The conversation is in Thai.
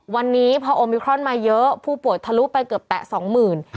วันนี้พอโอมิครอนมาเยอะผู้ป่วยทะลุไปเกือบแตะสองหมื่น